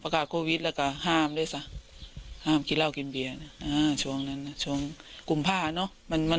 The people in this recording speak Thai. ประกาศโควิดล่ะก็ห่ามด้วยสักระหรือจงปิดตัวหรือจงเลยปกซะ